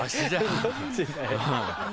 どっちだよ。